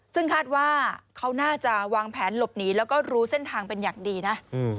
ซึ่งคาดว่าเขาน่าจะวางแผนหลบหนีแล้วก็รู้เส้นทางเป็นอย่างดีนะ